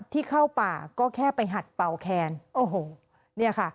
ที่เข้าป่าก็แค่ไปหัดเป่าแคนโอ้โหเนี่ยค่ะ